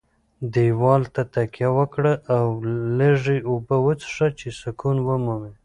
دېوال ته تکیه وکړه او لږې اوبه وڅښه چې سکون ومومې.